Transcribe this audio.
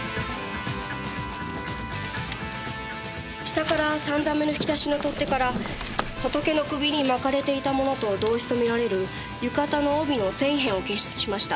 下から３段目の引き出しの取っ手からホトケの首に巻かれていたものと同一とみられる浴衣の帯の繊維片を検出しました。